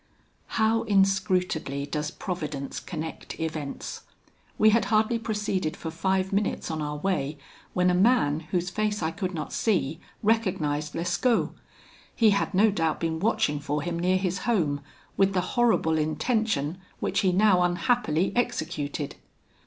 "How inscrutably does Providence connect events! We had hardly proceeded for five minutes on our way, when a man, whose face I could not see, recognised Lescaut. He had no doubt been watching for him near his home, with the horrible intention which he now unhappily executed.